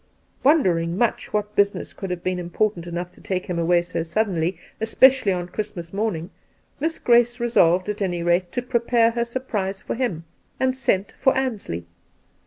Wondering much ' what business could have been important enough Two Christmas Days 223 to take him away so suddenly, especially on a Christmas morning, Miss Grace resolved, at any rate, to prepare her surprise for him, and sent for Ansley.